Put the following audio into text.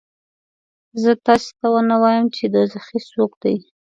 زه تاسې ته ونه وایم چې دوزخي څوک دي؟